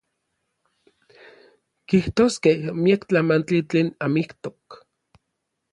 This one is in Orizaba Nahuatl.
Kijtoskej miak tlamantli tlen amijtok.